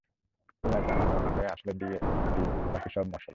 পেঁয়াজ বাদামিরঙা হয়ে আসলে দিয়ে দিন বাকি সব মসলা।